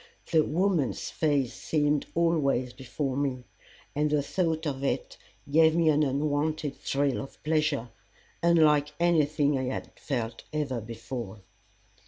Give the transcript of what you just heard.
The woman's face seemed always before me, and the thought of it gave me an unwonted thrill of pleasure, unlike anything I had ever felt before.